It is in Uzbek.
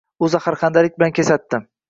U zaxarxandalik bilan kesatdi